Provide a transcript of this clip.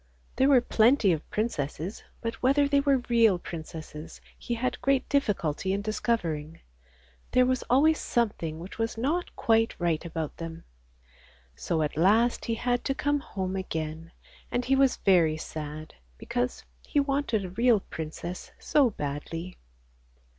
There were plenty of princesses, but whether they were real princesses he had great difficulty in discovering; there was always something which was not quite right about them. So at last he had to come home again, and he was very sad because he wanted a real princess so badly.